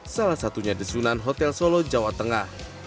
salah satunya desunan hotel solo jawa tengah